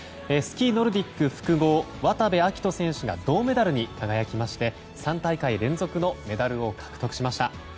スキー・ノルディック複合渡部暁斗選手が銅メダルに輝きまして３大会連続のメダルを獲得しました。